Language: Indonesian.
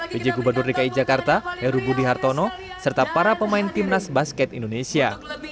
pj gubernur dki jakarta heru budi hartono serta para pemain timnas basket indonesia